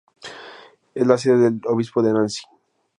Es la sede del obispo de Nancy.